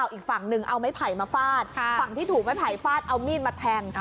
อีกฝั่งหนึ่งเอาไม้ไผ่มาฟาดฝั่งที่ถูกไม้ไผ่ฟาดเอามีดมาแทง